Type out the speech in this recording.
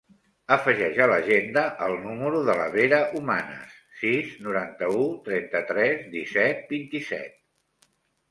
Afegeix a l'agenda el número de la Vera Humanes: sis, noranta-u, trenta-tres, disset, vint-i-set.